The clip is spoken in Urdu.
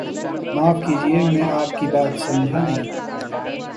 معاف کیجئے میں آپ کی بات سمجھانہیں